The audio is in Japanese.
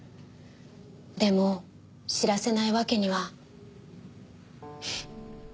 でも知らせないわけには。